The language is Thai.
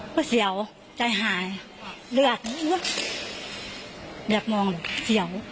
เพราะเสียวใจหายเลือดเลือดมองเสียว